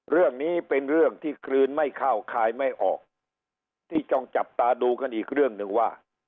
เรื่องนี้เป็นเรื่องที่กลืนไม่เข้าคายไม่ออกที่ต้องจับตาดูกันอีกเรื่องหนึ่งว่า